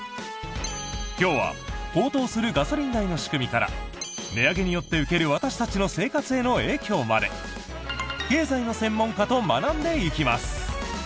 今日は、高騰するガソリン代の仕組みから値上げによって受ける私たちの生活への影響まで経済の専門家と学んでいきます。